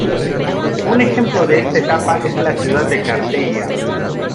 Un ejemplo de esta etapa es la ciudad de Carteia.